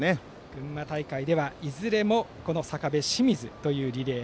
群馬大会ではいずれも坂部、清水というリレー。